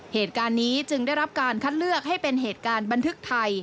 เหตุการณ์นี้จึงได้รับการคัดเลือกให้เป็นเหตุการณ์บันทึกไทย